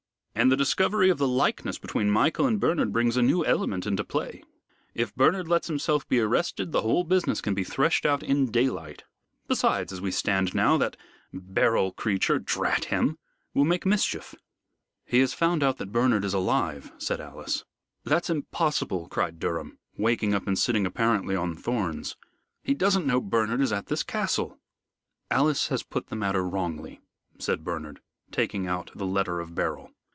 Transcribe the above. And the discovery of the likeness between Michael and Bernard brings a new element into play. If Bernard lets himself be arrested, the whole business can be threshed out in daylight. Besides, as we stand now, that Beryl creature drat him! will make mischief." "He has found out that Bernard is alive," said Alice. "That's impossible!" cried Durham, waking up and sitting apparently on thorns. "He doesn't know Bernard is at this Castle." "Alice has put the matter wrongly," said Bernard, taking out the letter of Beryl.